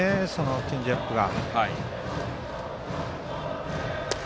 チェンジアップが。